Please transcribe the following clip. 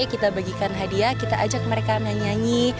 kita bagikan hadiah kita ajak mereka nyanyi nyanyi